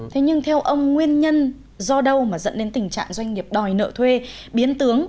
thế nhưng theo ông nguyên nhân do đâu mà dẫn đến tình trạng doanh nghiệp đòi nợ thuê biến tướng